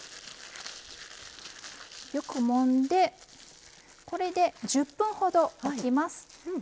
よくもんでこれで１０分ほどおきます。